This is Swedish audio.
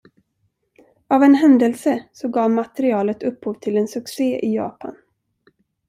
Av en händelse så gav materialet upphov till en succé i Japan.